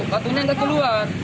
batunya gak keluar